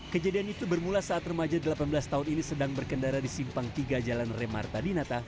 kejadian itu bermula saat remaja delapan belas tahun ini sedang berkendara di simpang tiga jalan remarta dinata